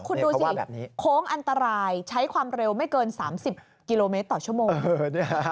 คุณดูสิโค้งอันตรายใช้ความเร็วไม่เกิน๓๐กิโลเมตรต่อชั่วโมง